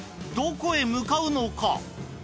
どこへ向かうのか？